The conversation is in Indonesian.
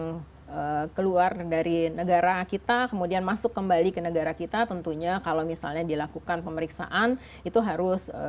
yang keluar dari negara kita kemudian masuk kembali ke negara kita tentunya kalau misalnya dilakukan pemeriksaan itu harus